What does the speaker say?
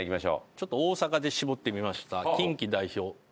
ちょっと大阪で絞ってみました。